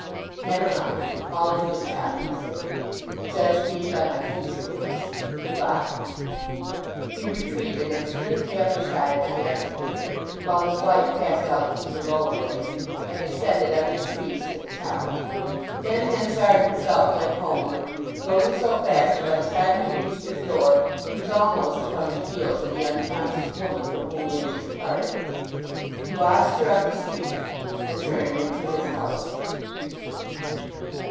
"Never mind—all in good time," said he. "Judge me by my future works—good bye!" He retreated, and stood at the upper side of the Amphitheatre while his wife passed out through the lower way, and descended under the trees to the town. Then Henchard himself went homeward, going so fast that by the time he reached his door he was almost upon the heels of the unconscious woman from whom he had just parted. He watched her up the street, and turned into his house.